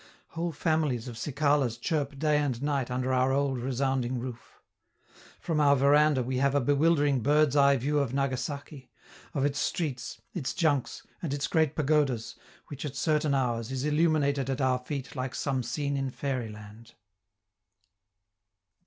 Whole families of cicalas chirp day and night under our old resounding roof. From our veranda we have a bewildering bird's eye view of Nagasaki, of its streets, its junks, and its great pagodas, which, at certain hours, is illuminated at our feet like some scene in fairyland.